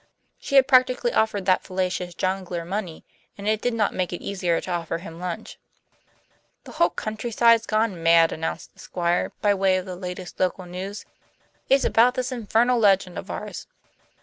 She had practically offered that fallacious jongleur money, and it did not make it easier to offer him lunch. "The whole countryside's gone mad," announced the Squire, by way of the latest local news. "It's about this infernal legend of ours."